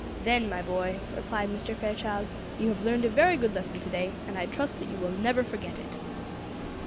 "Then, my boy," replied Mr. Fairchild, "you have learned a very good lesson to day, and I trust that you will never forget it."